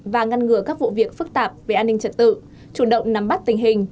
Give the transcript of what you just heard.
và ngăn ngừa các vụ việc phức tạp về an ninh trật tự chủ động nắm bắt tình hình